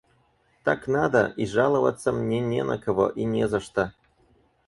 Так надо, и жаловаться мне не на кого и не за что.